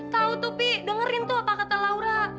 tau tuh pi dengerin tuh apa kata laura